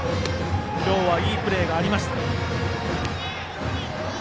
今日はいいプレーがありました。